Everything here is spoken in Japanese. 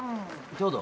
ちょうど。